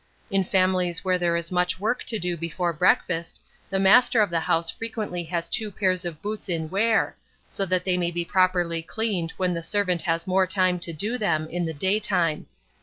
In families where there is much work to do before breakfast, the master of the house frequently has two pairs of boots in wear, so that they may be properly cleaned when the servant has more time to do them, in the daytime.